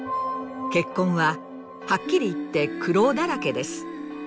結婚ははっきり言って苦労だらけです。